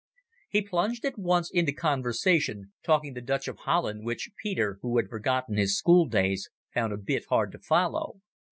He plunged at once into conversation, talking the Dutch of Holland, which Peter, who had forgotten his school days, found a bit hard to follow.